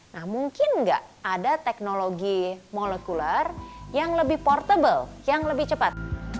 nah mungkin nggak ada teknologi molekuler yang lebih portable yang lebih cepat